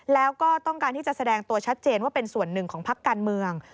แล้วก็ต้องการที่จะแสดงตัวชัดเจนว่าเป็นส่วนหนึ่งของพักการเมือง